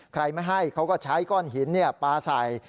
ใครไม่ให้เขาก็ใช้ก้อนหินปลาใส่